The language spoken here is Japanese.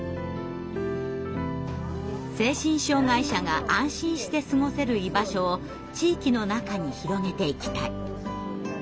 精神障害者が安心して過ごせる居場所を地域の中に広げていきたい。